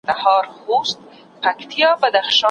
په شفق مجله کي کومي برخې خپرېدې؟